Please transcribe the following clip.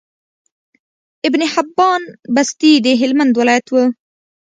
ابن حبان بستي د هلمند ولايت وو